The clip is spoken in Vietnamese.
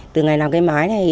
từ ngày nào cái mái này